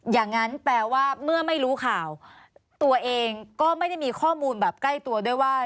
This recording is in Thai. อย่างนั้นแปลว่าเมื่อไม่รู้ข่าวตัวเองก็ไม่ได้มีข้อมูลแบบใกล้ตัวด้วยว่า